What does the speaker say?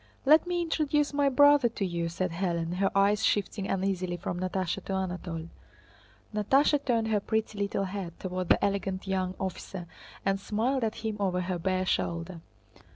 "Let me introduce my brother to you," said Hélène, her eyes shifting uneasily from Natásha to Anatole. Natásha turned her pretty little head toward the elegant young officer and smiled at him over her bare shoulder.